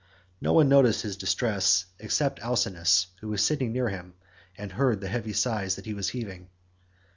No one noticed his distress except Alcinous, who was sitting near him, and heard the heavy sighs that he was heaving.